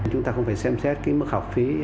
chúng ta không phải xem xét cái mức học phí